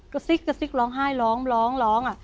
ก็ซิกก็ซิกร้องไห้ร้องร้องร้อง